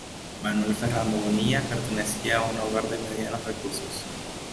Manuel Fernando Bonilla pertenecía a un hogar de medianos recursos.